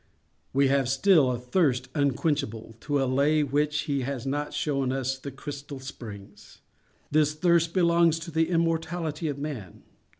We have still a thirst unquenchable, to allay which he has not shown us the crystal springs. This thirst belongs to the immortality of Man.